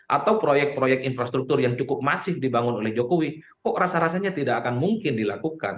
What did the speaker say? atau proyek proyek infrastruktur yang cukup masif dibangun oleh jokowi kok rasa rasanya tidak akan mungkin dilakukan